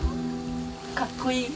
かっこいい。